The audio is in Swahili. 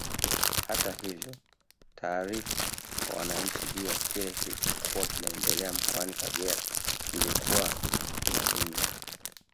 Hata hivyo taarifa kwa wananchi juu ya kile kilichokuwa kinaendelea mkoani Kagera zilikuwa zinaminywa